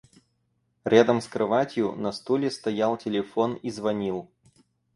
Рядом с кроватью, на стуле стоял телефон и звонил.